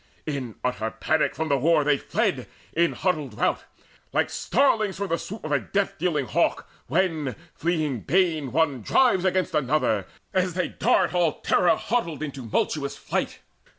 In utter panic from the war they fled, In huddled rout, like starlings from the swoop Of a death dealing hawk, when, fleeing bane, One drives against another, as they dart All terror huddled in tumultuous flight.